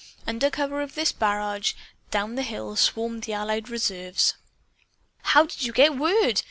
Under cover of this barrage, down the hill swarmed the Allied reserves! "How did you get word?"